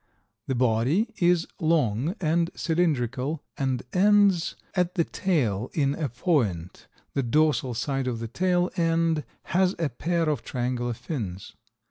The body is long and cylindrical and ends at the tail in a point; the dorsal side of the tail end has a pair of triangular fins.